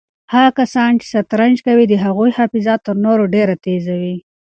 هغه کسان چې شطرنج کوي د هغوی حافظه تر نورو ډېره تېزه وي.